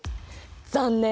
残念！